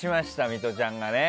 ミトちゃんがね。